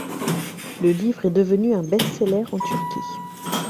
Le livre est devenu un best-seller en Turquie.